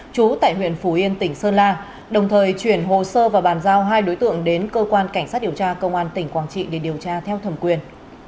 trú tại huyện phủ yên tỉnh sơn la đồng thời chuyển hồ sơ và bàn giao hai đối tượng đến cơ quan cảnh sát điều tra công an tỉnh quảng trị để điều tra theo thẩm quyền